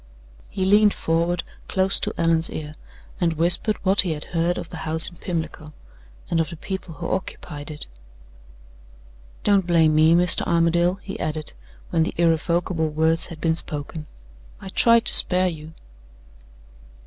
He leaned forward close to Allan's ear, and whispered what he had heard of the house in Pimlico, and of the people who occupied it. "Don't blame me, Mr. Armadale," he added, when the irrevocable words had been spoken. "I tried to spare you."